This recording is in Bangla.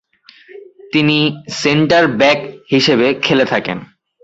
তিনি "সেন্টার-ব্যাক" হিসেবে খেলে থাকেন।